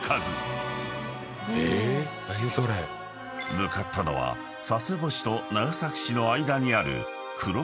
［向かったのは佐世保市と長崎市の間にある］